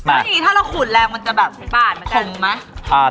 อันนี้ถ้าเราขูดแรงมันจะแบบปาดเหมือนกันขมไหม